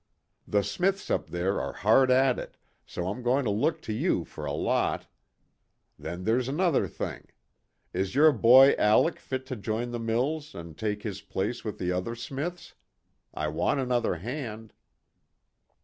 The smiths up there are hard at it, so I'm going to look to you for a lot. Then there's another thing. Is your boy Alec fit to join the mills and take his place with the other smiths? I want another hand."